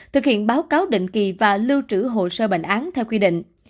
thực hiện báo cáo định kỳ và lưu trữ hồ sơ bệnh án theo quy định